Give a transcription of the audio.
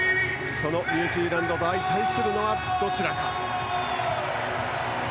そのニュージーランドと相対するのはどちらか。